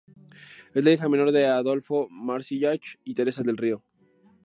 Es la hija menor de Adolfo Marsillach y Teresa del Río.